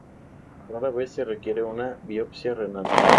Rara vez se requiere una biopsia renal.